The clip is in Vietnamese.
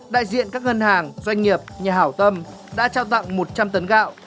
đại diện các ngân hàng doanh nghiệp nhà hảo tâm đã trao tặng một trăm linh tấn gạo